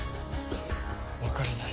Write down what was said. わからない。